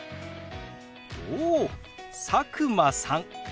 おお佐久間さんですね。